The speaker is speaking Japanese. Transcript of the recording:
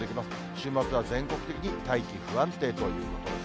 週末は全国的に大気不安定ということです。